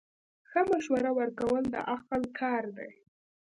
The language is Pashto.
ښه مشوره ورکول د عقل کار دی.